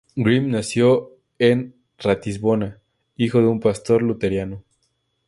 Grimm nació en Ratisbona, hijo de un pastor luterano.